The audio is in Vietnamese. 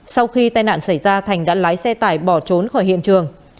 sau khi tai nạn xảy ra thành đã lái xe tải bỏ trốn khỏi hiện trường